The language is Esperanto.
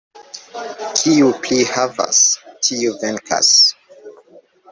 Kiu pli havas, tiu venkas.